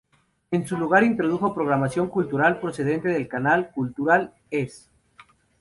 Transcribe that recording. En su lugar introdujo programación cultural procedente del canal Cultural·es.